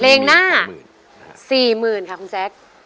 เรงหน้า๔๐๐๐๐บาทค่ะคุณแซค